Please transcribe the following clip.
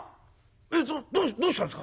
えっどどうしたんですか！？」。